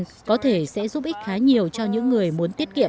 cuộc ở trên xe van có thể sẽ giúp ích khá nhiều cho những người muốn tiết nghiệm